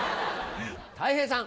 たい平さん。